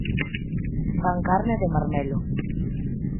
Fan carne de marmelo.